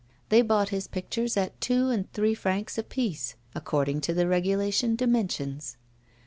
They bought his pictures at two and three francs a piece, according to the regulation dimensions.